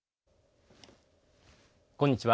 こんにちは。